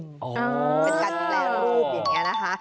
อ๋อเป็นการแปลรูปอย่างนี้นะคะอ๋อ